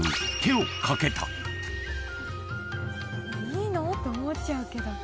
・いいの？って思っちゃうけど。